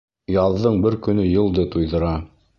Яҙҙың бер көнө йылды туйҙыра.